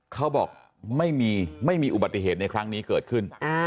เขาบอกไม่มีไม่มีอุบัติเหตุในครั้งนี้เกิดขึ้น